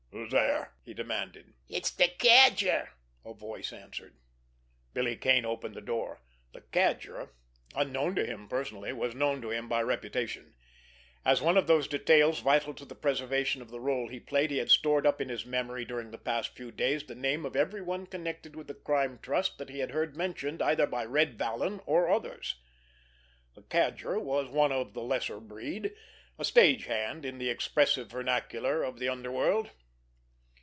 "Who's there?" he demanded. "It's de Cadger," a voice answered. Billy Kane opened the door. The Cadger, unknown to him personally, was known to him by reputation. As one of those details vital to the preservation of the rôle he played, he had stored up in his memory during the past few days the name of every one connected with the Crime Trust that he had heard mentioned either by Red Vallon or others. The Cadger was one of the lesser breed; a stage hand, in the expressive vernacular of the underworld.